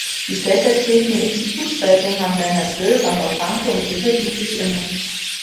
Die stellvertretende Institutsleitung haben Bernhard Grill, Randolf Hanke und Peter Dittrich inne.